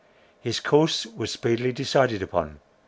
His course was speedily decided upon.